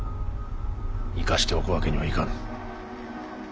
生かしておくわけにはいかぬ。